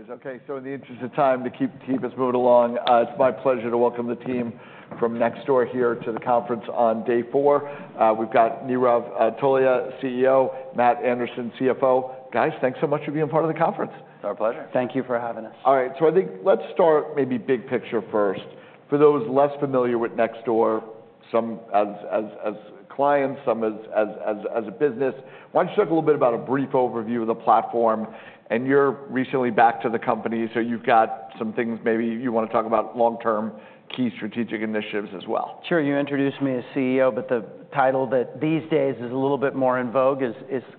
No worries. Okay, so in the interest of time, to keep us moving along, it's my pleasure to welcome the team from Nextdoor here to the conference on day four. We've got Nirav Tolia, CEO, Matt Anderson, CFO. Guys, thanks so much for being part of the conference. It's our pleasure. Thank you for having us. All right, so I think let's start maybe big picture first. For those less familiar with Nextdoor, some as clients, some as a business, why don't you talk a little bit about a brief overview of the platform? And you're recently back to the company, so you've got some things maybe you wanna talk about long-term, key strategic initiatives as well. Sure. You introduced me as CEO, but the title that these days is a little bit more in vogue is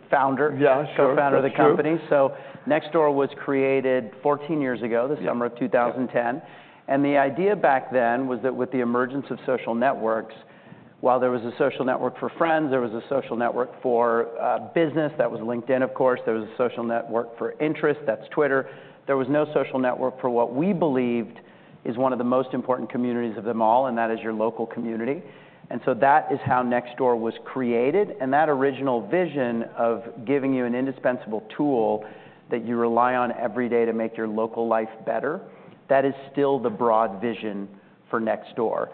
founder- Yeah, sure. Co-founder of the company. That's true. Nextdoor was created 14 years ago- Yeah... the summer of 2010, and the idea back then was that with the emergence of social networks, while there was a social network for friends, there was a social network for business, that was LinkedIn, of course, there was a social network for interest, that's Twitter, there was no social network for what we believed is one of the most important communities of them all, and that is your local community, and so that is how Nextdoor was created, and that original vision of giving you an indispensable tool that you rely on every day to make your local life better, that is still the broad vision for Nextdoor.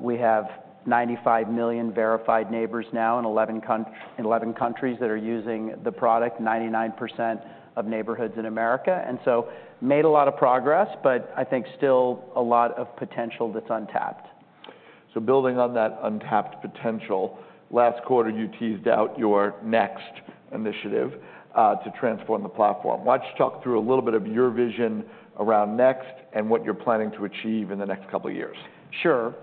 We have 95 million verified neighbors now in 11 countries that are using the product, 99% of neighborhoods in America, and so made a lot of progress, but I think still a lot of potential that's untapped. So building on that untapped potential, last quarter, you teased out your Next initiative to transform the platform. Why don't you talk through a little bit of your vision around Next and what you're planning to achieve in the next couple of years? Sure.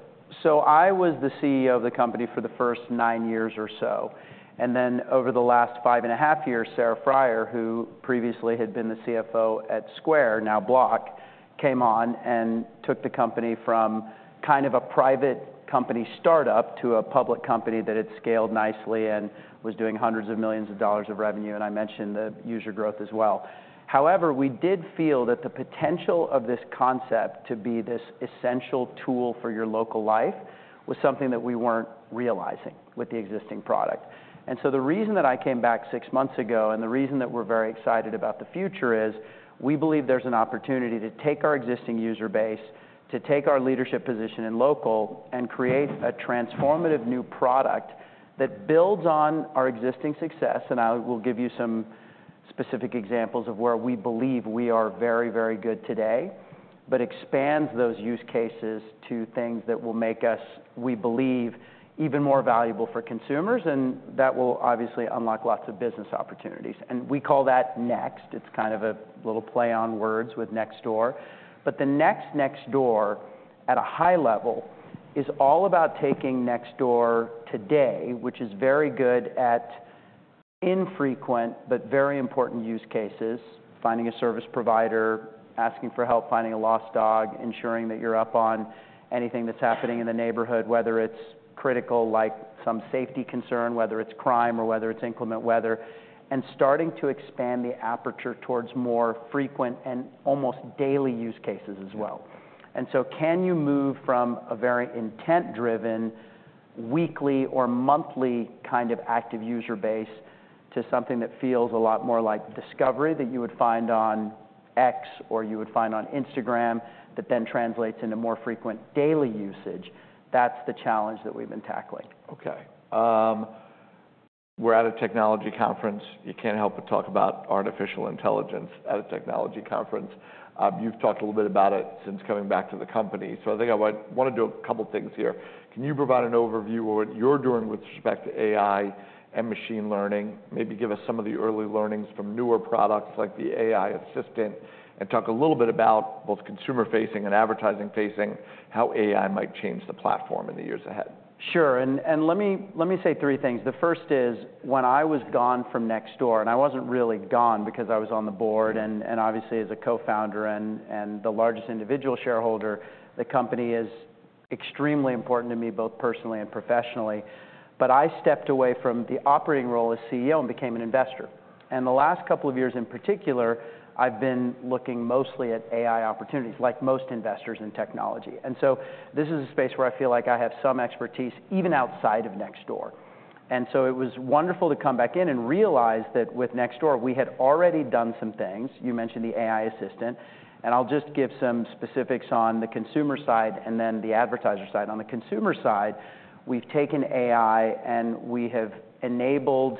So I was the CEO of the company for the first nine years or so, and then over the last five and a half years, Sarah Friar, who previously had been the CFO at Square, now Block, came on and took the company from kind of a private company startup to a public company that had scaled nicely and was doing $hundreds of millions of dollars of revenue, and I mentioned the user growth as well. However, we did feel that the potential of this concept to be this essential tool for your local life was something that we weren't realizing with the existing product. And so the reason that I came back six months ago, and the reason that we're very excited about the future, is we believe there's an opportunity to take our existing user base, to take our leadership position in local, and create a transformative new product that builds on our existing success, and I will give you some specific examples of where we believe we are very, very good today, but expands those use cases to things that will make us, we believe, even more valuable for consumers, and that will obviously unlock lots of business opportunities. And we call that Next. It's kind of a little play on words with Nextdoor. But the next Nextdoor, at a high level, is all about taking Nextdoor today, which is very good at infrequent but very important use cases, finding a service provider, asking for help finding a lost dog, ensuring that you're up on anything that's happening in the neighborhood, whether it's critical, like some safety concern, whether it's crime, or whether it's inclement weather, and starting to expand the aperture towards more frequent and almost daily use cases as well. And so can you move from a very intent-driven, weekly or monthly kind of active user base to something that feels a lot more like discovery that you would find on X or you would find on Instagram, that then translates into more frequent daily usage? That's the challenge that we've been tackling. Okay. We're at a technology conference. You can't help but talk about artificial intelligence at a technology conference. You've talked a little bit about it since coming back to the company, so I think I might wanna do a couple things here. Can you provide an overview of what you're doing with respect to AI and machine learning? Maybe give us some of the early learnings from newer products like the AI assistant, and talk a little bit about both consumer-facing and advertising-facing, how AI might change the platform in the years ahead. Sure, and let me say three things. The first is, when I was gone from Nextdoor, and I wasn't really gone because I was on the board, and obviously as a Co-founder and the largest individual shareholder, the company is extremely important to me, both personally and professionally. But I stepped away from the operating role as CEO and became an investor. And the last couple of years in particular, I've been looking mostly at AI opportunities, like most investors in technology. And so this is a space where I feel like I have some expertise, even outside of Nextdoor. And so it was wonderful to come back in and realize that with Nextdoor, we had already done some things. You mentioned the AI assistant, and I'll just give some specifics on the consumer side and then the advertiser side. On the consumer side, we've taken AI, and we have enabled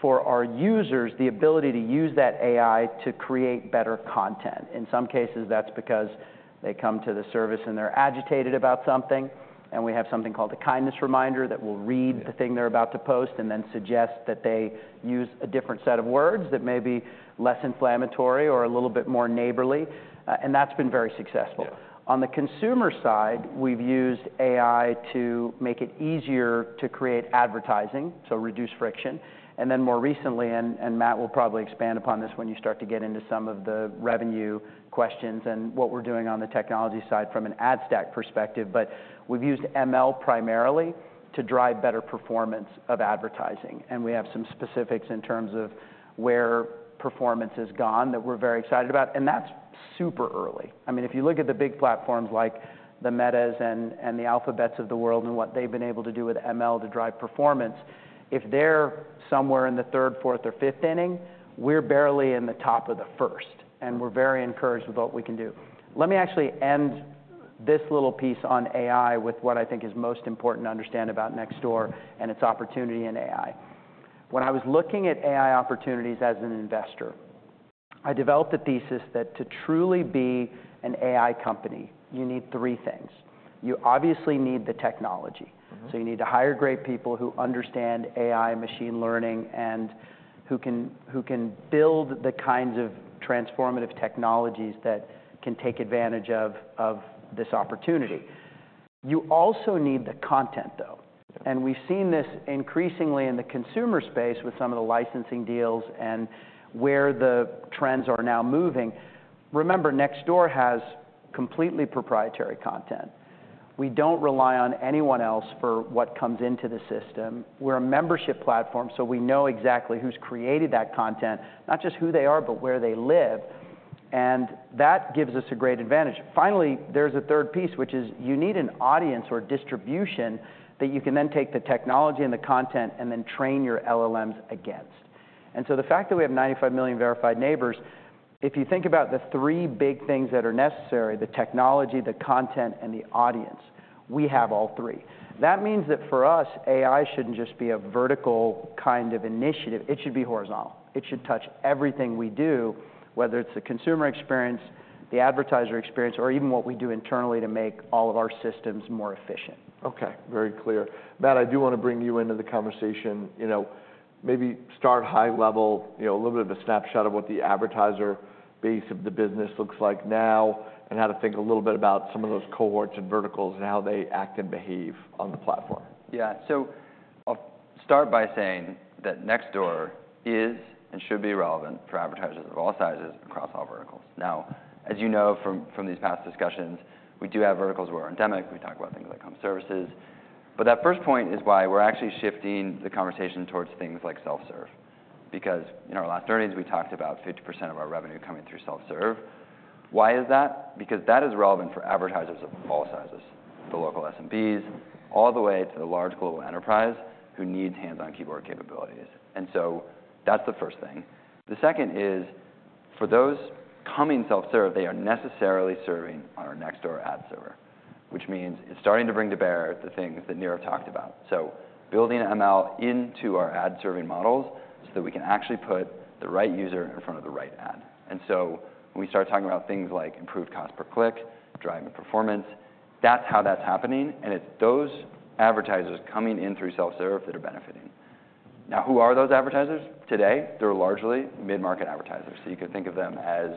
for our users the ability to use that AI to create better content. In some cases, that's because they come to the service, and they're agitated about something, and we have something called the Kindness Reminder that will read- Yeah... the thing they're about to post and then suggest that they use a different set of words that may be less inflammatory or a little bit more neighborly, and that's been very successful. Yeah. On the consumer side, we've used AI to make it easier to create advertising, so reduce friction, and then more recently, Matt will probably expand upon this when you start to get into some of the revenue questions and what we're doing on the technology side from an ad stack perspective, but we've used ML primarily to drive better performance of advertising, and we have some specifics in terms of where performance has gone that we're very excited about, and that's super early. I mean, if you look at the big platforms like the Metas and the Alphabets of the world, and what they've been able to do with ML to drive performance, if they're somewhere in the third, fourth, or fifth inning, we're barely in the top of the first, and we're very encouraged with what we can do. Let me actually end this little piece on AI with what I think is most important to understand about Nextdoor and its opportunity in AI. When I was looking at AI opportunities as an investor, I developed a thesis that to truly be an AI company, you need three things. You obviously need the technology. You need to hire great people who understand AI machine learning, and who can build the kinds of transformative technologies that can take advantage of this opportunity. You also need the content, though. Yeah. And we've seen this increasingly in the consumer space with some of the licensing deals and where the trends are now moving. Remember, Nextdoor has completely proprietary content. We don't rely on anyone else for what comes into the system. We're a membership platform, so we know exactly who's created that content, not just who they are, but where they live, and that gives us a great advantage. Finally, there's a third piece, which is you need an audience or distribution that you can then take the technology and the content, and then train your LLMs against. And so the fact that we have ninety-five million verified neighbors, if you think about the three big things that are necessary, the technology, the content, and the audience, we have all three. That means that for us, AI shouldn't just be a vertical kind of initiative, it should be horizontal. It should touch everything we do, whether it's the consumer experience, the advertiser experience, or even what we do internally to make all of our systems more efficient. Okay, very clear. Matt, I do wanna bring you into the conversation. You know, maybe start high level, you know, a little bit of a snapshot of what the advertiser base of the business looks like now, and how to think a little bit about some of those cohorts and verticals, and how they act and behave on the platform. Yeah. So I'll start by saying that Nextdoor is, and should be relevant for advertisers of all sizes across all verticals. Now, as you know from these past discussions, we do have verticals where we're endemic. We talk about things like home services. But that first point is why we're actually shifting the conversation towards things like self-serve, because in our last earnings, we talked about 50% of our revenue coming through self-serve. Why is that? Because that is relevant for advertisers of all sizes, the local SMBs, all the way to the large global enterprise, who need hands-on keyboard capabilities. And so that's the first thing. The second is, for those coming self-serve, they are necessarily serving on our Nextdoor ad server, which means it's starting to bring to bear the things that Nirav talked about. Building ML into our ad serving models, so that we can actually put the right user in front of the right ad. When we start talking about things like improved cost per click, driving the performance, that's how that's happening, and it's those advertisers coming in through self-serve that are benefiting. Now, who are those advertisers? Today, they're largely mid-market advertisers. You could think of them as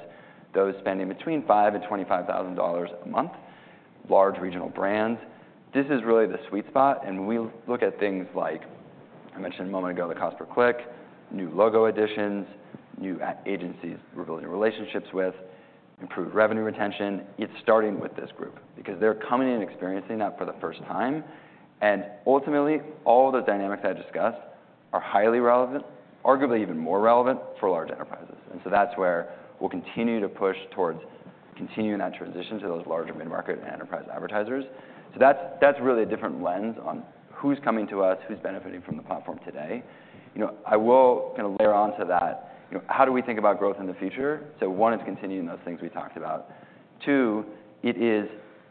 those spending between $5,000-$25,000 a month, large regional brands. This is really the sweet spot, and when we look at things like I mentioned a moment ago, the cost per click, new logo additions, new agencies we're building relationships with, improved revenue retention, it's starting with this group because they're coming in and experiencing that for the first time. Ultimately, all the dynamics I discussed are highly relevant, arguably even more relevant for large enterprises. So that's where we'll continue to push towards continuing that transition to those larger mid-market and enterprise advertisers. So that's, that's really a different lens on who's coming to us, who's benefiting from the platform today. You know, I will kind of layer onto that, you know, how do we think about growth in the future? One is continuing those things we talked about. Two, it is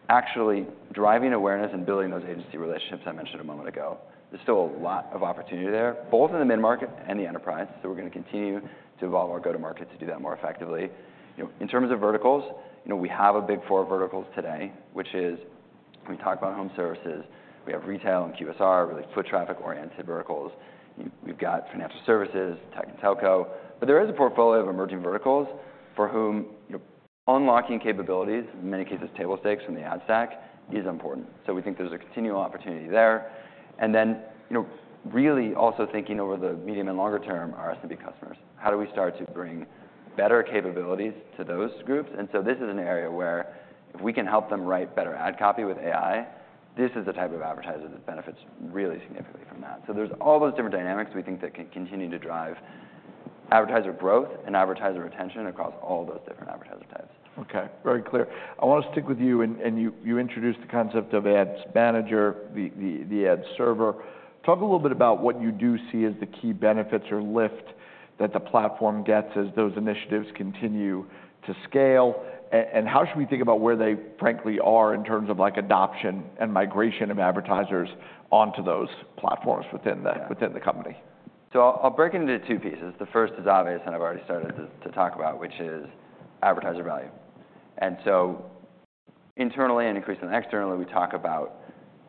actually driving awareness and building those agency relationships I mentioned a moment ago. There's still a lot of opportunity there, both in the mid-market and the enterprise, so we're gonna continue to evolve our go-to-market to do that more effectively. You know, in terms of verticals, you know, we have a big four verticals today, which is... We talked about home services. We have retail and QSR, really foot traffic-oriented verticals. We've got financial services, tech and telco. But there is a portfolio of emerging verticals for whom, you know, unlocking capabilities, in many cases, table stakes from the ad stack, is important. So we think there's a continual opportunity there. And then, you know, really also thinking over the medium and longer term are SMB customers. How do we start to bring better capabilities to those groups? And so this is an area where if we can help them write better ad copy with AI, this is the type of advertiser that benefits really significantly from that. So there's all those different dynamics we think that can continue to drive advertiser growth and advertiser retention across all those different advertiser types. Okay, very clear. I wanna stick with you, and you introduced the concept of Ads Manager, the Ad Server. Talk a little bit about what you do see as the key benefits or lift that the platform gets as those initiatives continue to scale, and how should we think about where they frankly are in terms of, like, adoption and migration of advertisers onto those platforms within the- Yeah... within the company? So I'll break it into two pieces. The first is obvious, and I've already started to talk about, which is advertiser value. And so internally and increasingly externally, we talk about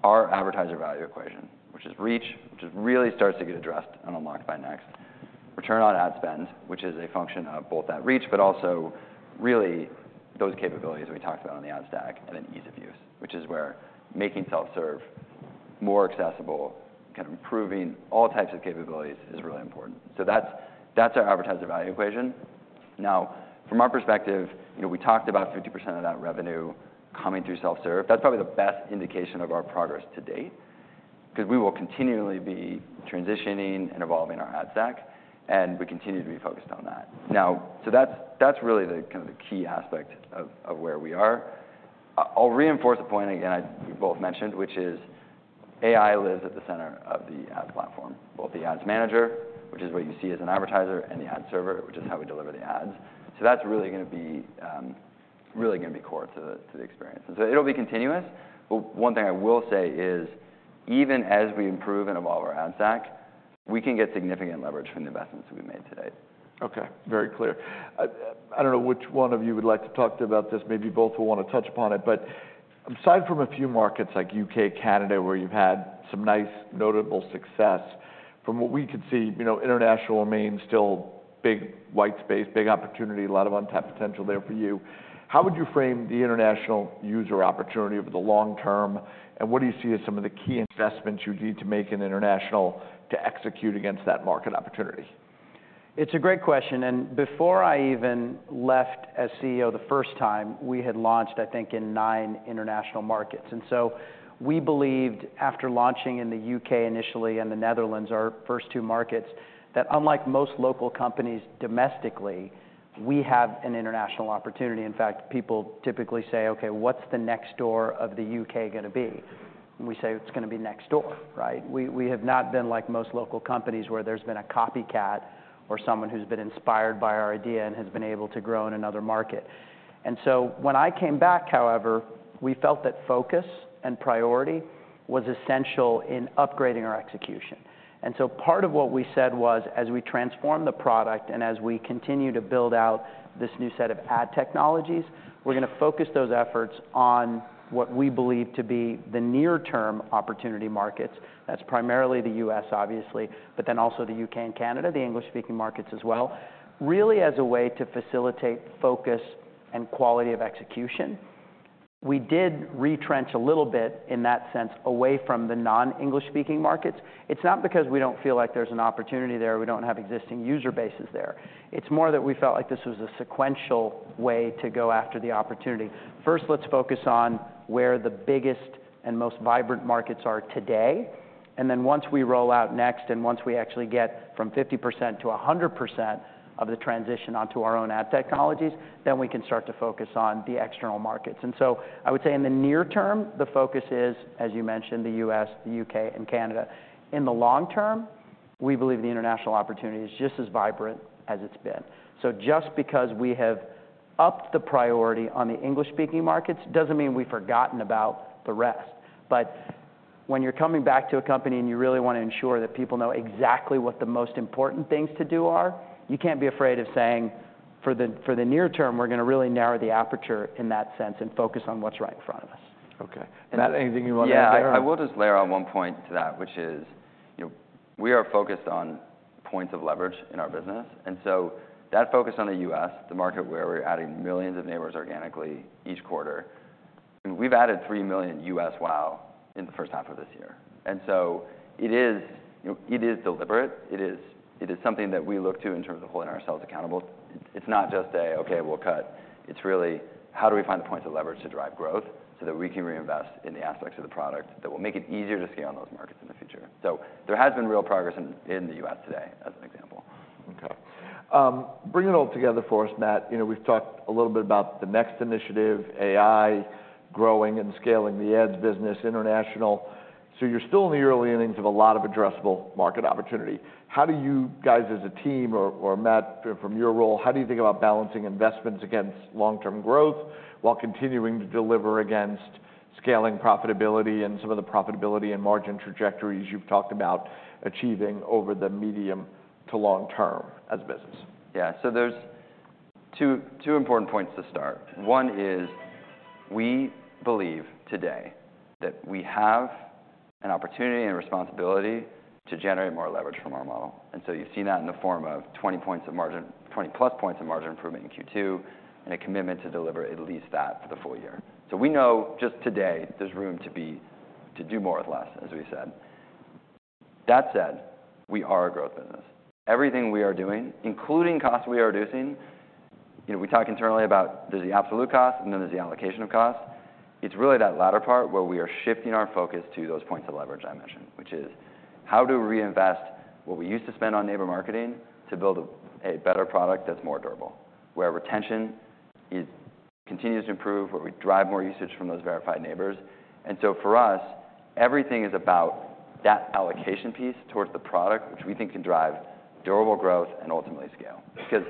our advertiser value equation, which is reach, which really starts to get addressed and unlocked by Next, return on ad spend, which is a function of both that reach, but also really those capabilities we talked about on the ad stack, and then ease of use, which is where making self-serve more accessible, kind of improving all types of capabilities, is really important. So that's our advertiser value equation. Now, from our perspective, you know, we talked about 50% of that revenue coming through self-serve. That's probably the best indication of our progress to date, 'cause we will continually be transitioning and evolving our ad stack, and we continue to be focused on that. Now, so that's really the kind of key aspect of where we are. I'll reinforce a point again, we both mentioned, which is AI lives at the center of the ad platform, both the Ads Manager, which is what you see as an advertiser, and the Ad Server, which is how we deliver the ads. So that's really gonna be core to the experience. And so it'll be continuous, but one thing I will say is, even as we improve and evolve our ad stack, we can get significant leverage from the investments we've made today. Okay, very clear. I, I don't know which one of you would like to talk to about this, maybe both will wanna touch upon it, but aside from a few markets like U.K., Canada, where you've had some nice notable success, from what we could see, you know, international remains still big white space, big opportunity, a lot of untapped potential there for you. How would you frame the international user opportunity over the long term, and what do you see as some of the key investments you need to make in international to execute against that market opportunity? It's a great question, and before I even left as CEO the first time, we had launched, I think, in nine international markets. And so we believed, after launching in the U.K. initially and the Netherlands, our first two markets, that unlike most local companies domestically, we have an international opportunity. In fact, people typically say, "Okay, what's the Nextdoor of the U.K. gonna be?" We say, "It's gonna be Nextdoor," right? We, we have not been like most local companies, where there's been a copycat or someone who's been inspired by our idea and has been able to grow in another market. And so when I came back, however, we felt that focus and priority was essential in upgrading our execution. And so part of what we said was, as we transform the product and as we continue to build out this new set of ad technologies, we're gonna focus those efforts on what we believe to be the near-term opportunity markets. That's primarily the U.S., obviously, but then also the U.K. and Canada, the English-speaking markets as well, really as a way to facilitate focus and quality of execution. We did retrench a little bit in that sense away from the non-English-speaking markets. It's not because we don't feel like there's an opportunity there, we don't have existing user bases there. It's more that we felt like this was a sequential way to go after the opportunity. First, let's focus on where the biggest and most vibrant markets are today, and then once we roll out Next, and once we actually get from 50% - 100% of the transition onto our own ad technologies, then we can start to focus on the external markets. And so I would say in the near term, the focus is, as you mentioned, the U.S., the U.K., and Canada. In the long term, we believe the international opportunity is just as vibrant as it's been. So just because we have upped the priority on the English-speaking markets, doesn't mean we've forgotten about the rest. But when you're coming back to a company and you really wanna ensure that people know exactly what the most important things to do are, you can't be afraid of saying, "For the near term, we're gonna really narrow the aperture in that sense and focus on what's right in front of us. Okay. Is there anything you want to add there? Yeah, I will just layer on one point to that, which is, you know, we are focused on points of leverage in our business, and so that focus on the U.S., the market where we're adding millions of neighbors organically each quarter, and we've added three million U.S. WAU in the first half of this year. And so it is, you know, it is deliberate. It is, it is something that we look to in terms of holding ourselves accountable. It's not just a, "Okay, we'll cut," it's really, how do we find the points of leverage to drive growth so that we can reinvest in the aspects of the product that will make it easier to scale on those markets in the future? So there has been real progress in, in the U.S. today, as an example. Okay. Bring it all together for us, Matt. You know, we've talked a little bit about the Next initiative, AI, growing and scaling the ads business international. So you're still in the early innings of a lot of addressable market opportunity. How do you guys as a team or, or Matt, from your role, how do you think about balancing investments against long-term growth, while continuing to deliver against scaling profitability and some of the profitability and margin trajectories you've talked about achieving over the medium to long term as a business? Yeah. So there are two important points to start. One is, we believe today that we have an opportunity and responsibility to generate more leverage from our model. And so you've seen that in the form of 20 points of margin, 20+ points of margin improvement in Q2, and a commitment to deliver at least that for the full year. So we know just today, there is room to be, to do more with less, as we said. That said, we are a growth business. Everything we are doing, including costs we are reducing. You know, we talk internally about there is the absolute cost, and then there is the allocation of cost. It's really that latter part where we are shifting our focus to those points of leverage I mentioned, which is, how do we reinvest what we used to spend on neighbor marketing to build a better product that's more durable? Where retention continues to improve, where we drive more usage from those verified neighbors. And so for us, everything is about that allocation piece towards the product, which we think can drive durable growth and ultimately scale. Because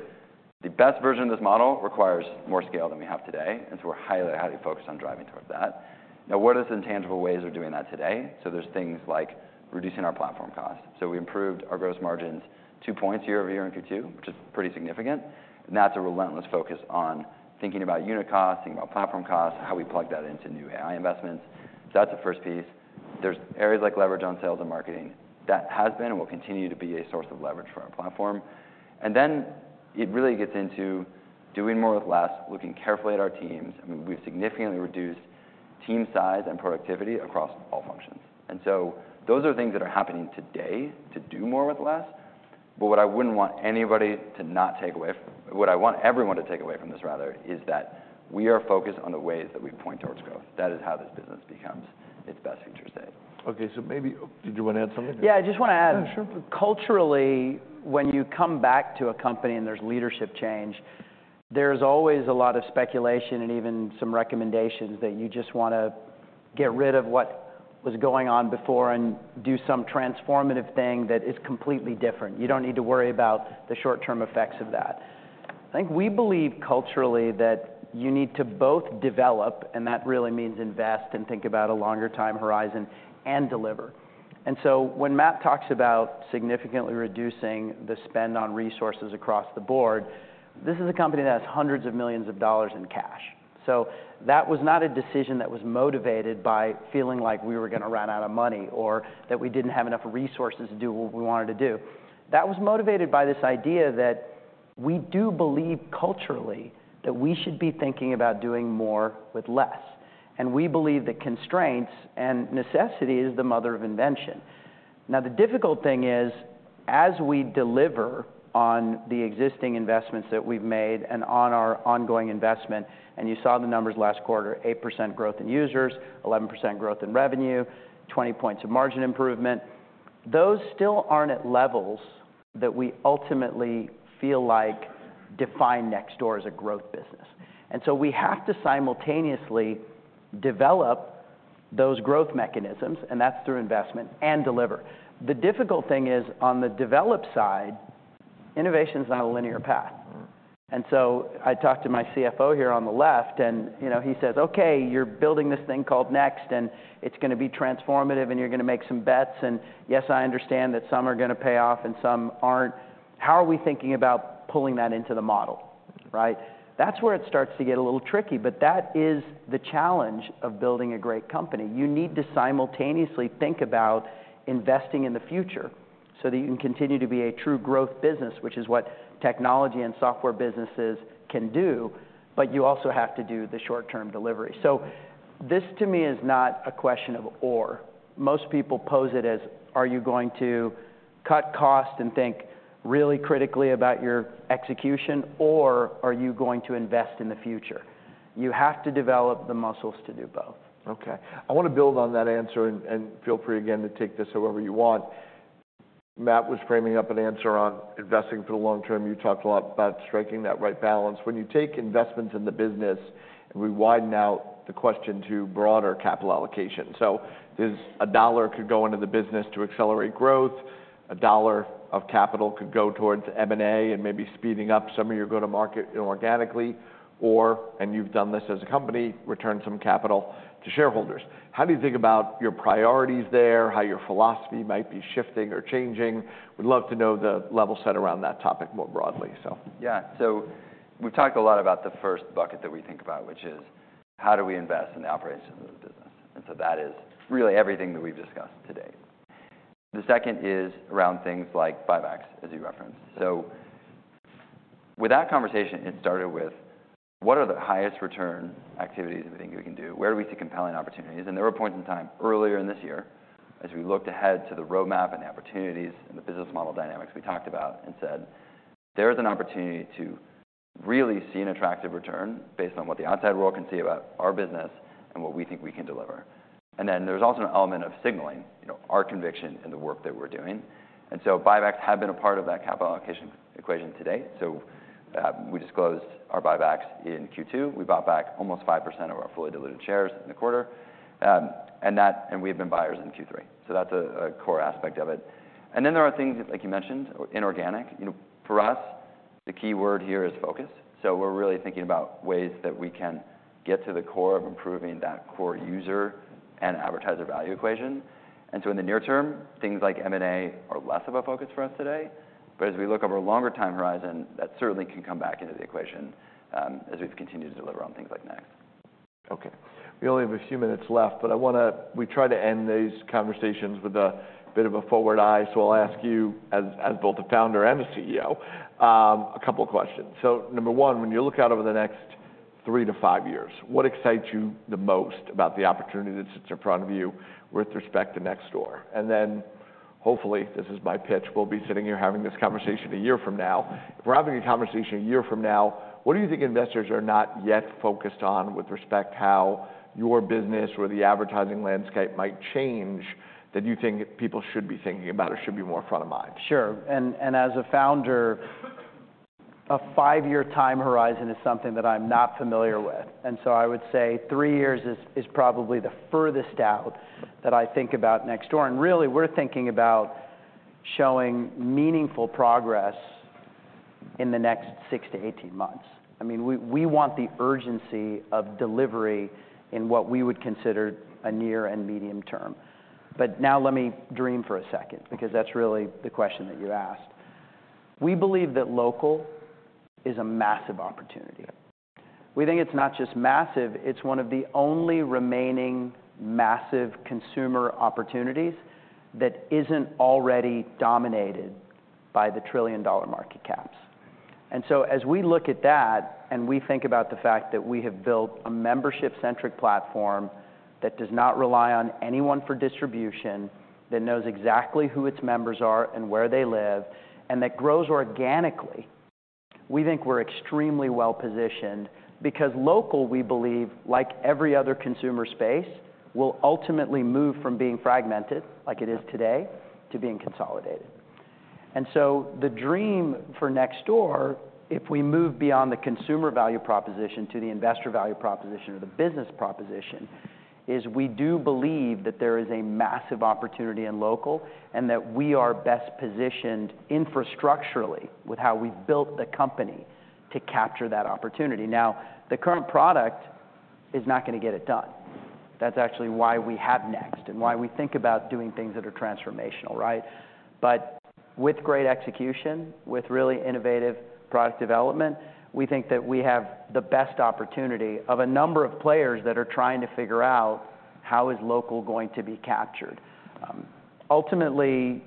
the best version of this model requires more scale than we have today, and so we're highly, highly focused on driving towards that. Now, what are the intangible ways we're doing that today? So there's things like reducing our platform costs. So we improved our gross margins 2 points year-over-year in Q2, which is pretty significant, and that's a relentless focus on thinking about unit costs, thinking about platform costs, how we plug that into new AI investments. So that's the first piece. There's areas like leverage on sales and marketing. That has been, and will continue to be a source of leverage for our platform. And then it really gets into doing more with less, looking carefully at our teams. I mean, we've significantly reduced team size and productivity across all functions. And so those are things that are happening today to do more with less. But what I wouldn't want anybody to not take away from this, what I want everyone to take away from this, rather, is that we are focused on the ways that we point towards growth. That is how this business becomes its best future state. Okay, so maybe, did you wanna add something? Yeah, I just wanna add- Yeah, sure. Culturally, when you come back to a company and there's leadership change, there's always a lot of speculation and even some recommendations that you just wanna get rid of what was going on before and do some transformative thing that is completely different. You don't need to worry about the short-term effects of that. I think we believe culturally that you need to both develop, and that really means invest and think about a longer time horizon, and deliver, and so when Matt talks about significantly reducing the spend on resources across the board, this is a company that has hundreds of millions of dollars in cash, so that was not a decision that was motivated by feeling like we were gonna run out of money or that we didn't have enough resources to do what we wanted to do. That was motivated by this idea that we do believe culturally that we should be thinking about doing more with less, and we believe that constraints and necessity is the mother of invention. Now, the difficult thing is, as we deliver on the existing investments that we've made and on our ongoing investment, and you saw the numbers last quarter, 8% growth in users, 11% growth in revenue, 20 points of margin improvement, those still aren't at levels that we ultimately feel like define Nextdoor as a growth business, and so we have to simultaneously develop those growth mechanisms, and that's through investment, and deliver. The difficult thing is, on the develop side, innovation's not a linear path. And so I talked to my CFO here on the left, and, you know, he says, "Okay, you're building this thing called Next, and it's gonna be transformative, and you're gonna make some bets. And, yes, I understand that some are gonna pay off and some aren't. How are we thinking about pulling that into the model, right?" That's where it starts to get a little tricky, but that is the challenge of building a great company. You need to simultaneously think about investing in the future so that you can continue to be a true growth business, which is what technology and software businesses can do, but you also have to do the short-term delivery. So this, to me, is not a question of or. Most people pose it as, are you going to cut costs and think really critically about your execution, or are you going to invest in the future? You have to develop the muscles to do both. Okay, I wanna build on that answer, and feel free, again, to take this however you want. Matt was framing up an answer on investing for the long term. You talked a lot about striking that right balance. When you take investments in the business, and we widen out the question to broader capital allocation. So there's a dollar could go into the business to accelerate growth, a dollar of capital could go towards M&A and maybe speeding up some of your go-to-market inorganically, or, and you've done this as a company, return some capital to shareholders. How do you think about your priorities there, how your philosophy might be shifting or changing? We'd love to know the level set around that topic more broadly, so. Yeah, so we've talked a lot about the first bucket that we think about, which is: how do we invest in the operations of the business, and so that is really everything that we've discussed today. The second is around things like buybacks, as you referenced, so with that conversation, it started with: what are the highest return activities that we think we can do? Where do we see compelling opportunities? There were points in time earlier in this year, as we looked ahead to the roadmap and the opportunities and the business model dynamics we talked about, and said, "There is an opportunity to really see an attractive return based on what the outside world can see about our business and what we think we can deliver." Then there's also an element of signaling, you know, our conviction in the work that we're doing, and so buybacks have been a part of that capital allocation equation today. We disclosed our buybacks in Q2. We bought back almost 5% of our fully diluted shares in the quarter, and we've been buyers in Q3. That's a core aspect of it. Then there are things, like you mentioned, inorganic. You know, for us, the key word here is focus. So we're really thinking about ways that we can get to the core of improving that core user and advertiser value equation. And so in the near term, things like M&A are less of a focus for us today, but as we look over a longer time horizon, that certainly can come back into the equation, as we've continued to deliver on things like Next. Okay. We only have a few minutes left, but we try to end these conversations with a bit of a forward eye, so I'll ask you, as both a founder and a CEO, a couple of questions. So number one, when you look out over the next three to five years, what excites you the most about the opportunity that sits in front of you with respect to Nextdoor? And then, hopefully, this is my pitch, we'll be sitting here having this conversation a year from now. If we're having a conversation a year from now, what do you think investors are not yet focused on with respect to how your business or the advertising landscape might change, that you think people should be thinking about or should be more front of mind? Sure. And as a founder, a five-year time horizon is something that I'm not familiar with, and so I would say three years is probably the furthest out that I think about Nextdoor. And really, we're thinking about showing meaningful progress in the next 6 to 18 months. I mean, we want the urgency of delivery in what we would consider a near and medium term. But now let me dream for a second, because that's really the question that you asked. We believe that local is a massive opportunity. We think it's not just massive, it's one of the only remaining massive consumer opportunities that isn't already dominated by the trillion-dollar market caps. And so as we look at that, and we think about the fact that we have built a membership-centric platform that does not rely on anyone for distribution, that knows exactly who its members are and where they live, and that grows organically, we think we're extremely well-positioned. Because local, we believe, like every other consumer space, will ultimately move from being fragmented, like it is today, to being consolidated. And so the dream for Nextdoor, if we move beyond the consumer value proposition to the investor value proposition or the business proposition, is we do believe that there is a massive opportunity in local, and that we are best positioned infrastructurally with how we've built the company to capture that opportunity. Now, the current product is not gonna get it done. That's actually why we have Next, and why we think about doing things that are transformational, right? But with great execution, with really innovative product development, we think that we have the best opportunity of a number of players that are trying to figure out how is local going to be captured. Ultimately,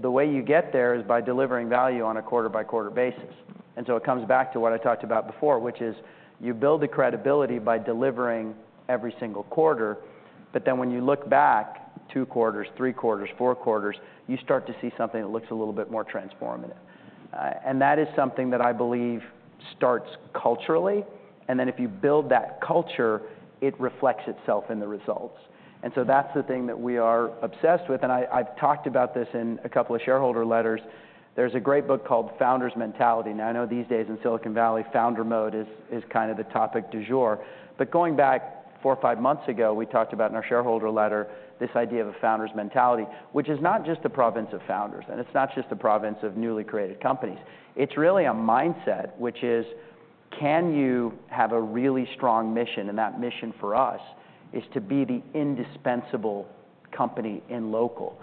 the way you get there is by delivering value on a quarter-by-quarter basis. And so it comes back to what I talked about before, which is you build the credibility by delivering every single quarter, but then when you look back two quarters, three quarters, four quarters, you start to see something that looks a little bit more transformative. And that is something that I believe starts culturally, and then if you build that culture, it reflects itself in the results. And so that's the thing that we are obsessed with, and I, I've talked about this in a couple of shareholder letters. There's a great book called Founder's Mentality. Now, I know these days in Silicon Valley, Founder mode is kind of the topic du jour. But going back four or five months ago, we talked about in our shareholder letter, this idea of a Founder's Mentality, which is not just the province of founders, and it's not just the province of newly created companies. It's really a mindset, which is, can you have a really strong mission? And that mission for us is to be the indispensable company in local.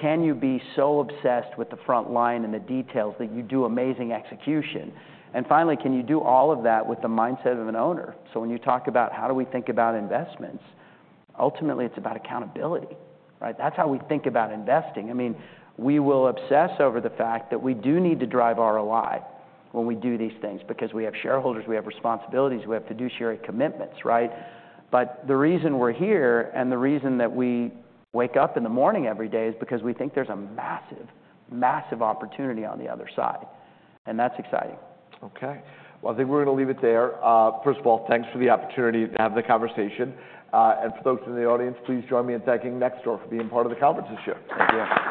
Can you be so obsessed with the front line and the details that you do amazing execution? And finally, can you do all of that with the mindset of an owner? So when you talk about how do we think about investments, ultimately, it's about accountability, right? That's how we think about investing. I mean, we will obsess over the fact that we do need to drive ROI when we do these things because we have shareholders, we have responsibilities, we have fiduciary commitments, right? But the reason we're here, and the reason that we wake up in the morning every day, is because we think there's a massive, massive opportunity on the other side, and that's exciting. Okay. I think we're gonna leave it there. First of all, thanks for the opportunity to have the conversation, and folks in the audience, please join me in thanking Nextdoor for being part of the conference this year. Thank you.